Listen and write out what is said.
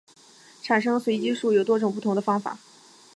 产生随机数有多种不同的方法。